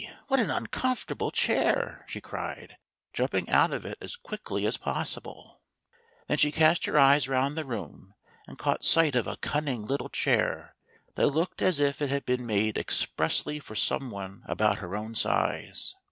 what an uncomfortable chair!" she cried, jumping out of it as quickly as possible. Then she cast her eyes round the room, and caught sight of a cunning little chair that looked as if it had been made expressly for some one about her own size.